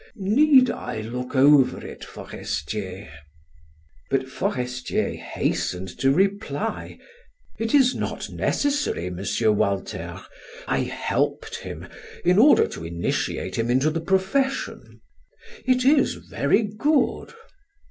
Need I look over it, Forestier?" But Forestier hastened to reply: "It is not necessary, M. Walter; I helped him in order to initiate him into the profession. It is very good."